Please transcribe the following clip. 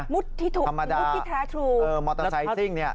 ที่ถูกธรรมดามุดที่แท้ทรูเออมอเตอร์ไซค์ซิ่งเนี่ย